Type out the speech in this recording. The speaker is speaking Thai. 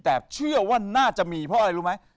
แต่เชื่อว่าน่าจะมีเพราะอะไรรู้ไหม